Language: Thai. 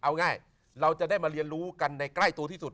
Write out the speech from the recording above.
เอาง่ายเราจะได้มาเรียนรู้กันในใกล้ตัวที่สุด